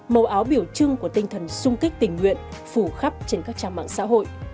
màu áo biểu trưng của tinh thần sung kích tình nguyện phủ khắp trên các trang mạng xã hội